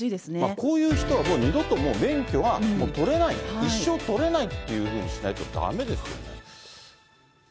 こういう人はもう二度と免許は取れない、一生取れないっていうふうにしないとだめですよね。